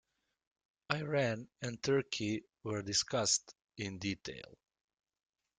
Iran and Turkey were discussed in detail.